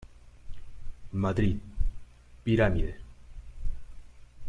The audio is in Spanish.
Madrid: Pirámide.